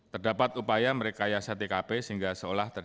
terdapat upaya merekayasa tkp sehingga seolah terjadi